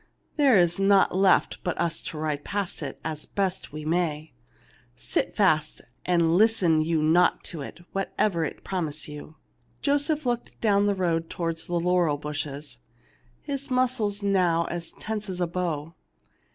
There is naught left but to ride past it as best we may. Sit fast, an ? listen you not to it, whatever it promise you." Joseph looked down the road towards the laurel bushes, his muscles now as tense as a bow.